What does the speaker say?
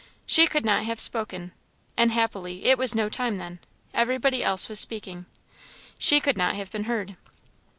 She could not have spoken, and happily it was no time then; everybody else was speaking she could not have been heard.